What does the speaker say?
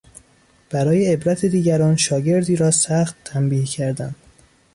برای عبرت دیگران شاگردی را سخت تنبیه کردن